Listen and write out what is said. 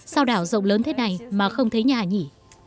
sao đảo rộng lớn thế này mà không thấy nhà nghỉ